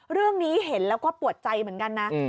เรื่องนี้เห็นแล้วก็ปวดใจเหมือนกันนะ